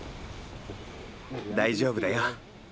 大丈夫だよ。